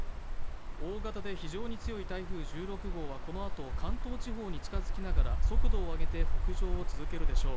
大型で非常に強い台風１６号はこのあと関東地方に近づきながら速度を上げて北上を続けるでしょう。